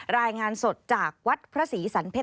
รายงานสดจากวัดพระศรีสันเพชร